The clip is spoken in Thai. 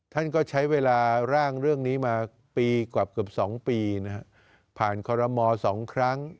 ท่านก็ใช้เวลาร่างเรื่องนี้มาปีกว่าเกือบ๒ปีนะฮะผ่านคอรมอ๒ครั้ง